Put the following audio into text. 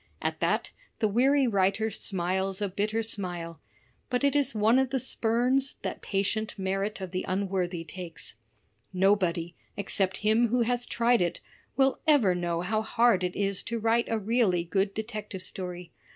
At that, the weary writer smiles a bitter smile; but it is one of the spurns that patient merit of the imworthy takes. Nobody, except him who has tried it, will ever know how hard it is to write a really good detect ive story.